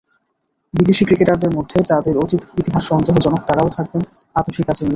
বিদেশি ক্রিকেটারদের মধ্যে যাঁদের অতীত ইতিহাস সন্দেহজনক, তাঁরাও থাকবেন আতশি কাচের নিচে।